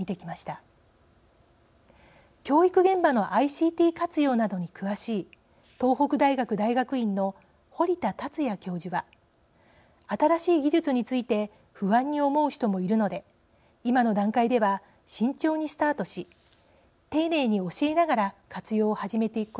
教育現場のＩＣＴ活用などに詳しい東北大学大学院の堀田龍也教授は新しい技術について不安に思う人もいるので「今の段階では慎重にスタートし丁寧に教えながら活用を始めていくことが大切だ」。